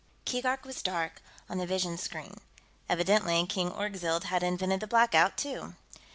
Keegark was dark, on the vision screen; evidently King Orgzild had invented the blackout, too.